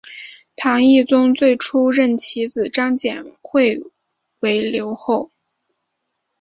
唐懿宗最初任其子张简会为留后。